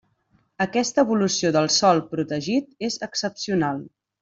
Aquesta evolució del sòl protegit és excepcional.